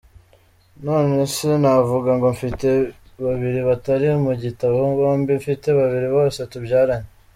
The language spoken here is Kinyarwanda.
Nonese navuga ngo mfite babiri batari mu gitabo bombi mfite babiri bose tubyaranye!”.